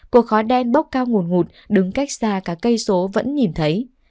cuộc khói đen bốc cao nguồn ngụt đứng cách xa cả cây số vẫn nhìn thấy